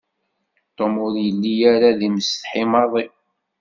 Tom ur yelli ara d imsetḥi maḍi.